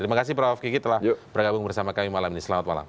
terima kasih prof kiki telah bergabung bersama kami malam ini selamat malam